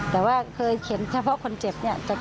แต่ว่าเคยเห็นเฉพาะคนเจ็บเนี่ยก็จะเห็นบ่อย